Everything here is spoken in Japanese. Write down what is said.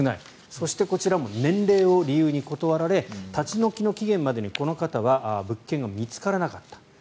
そして、こちらも年齢を理由に断られ立ち退きの期限までに、この方は物件が見つからなかった。